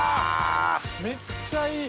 めっちゃいい！